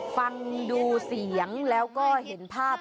ฟังดูเสียงแล้วก็เห็นภาพ